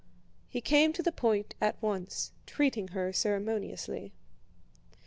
He came to the point at once, treating her ceremoniously.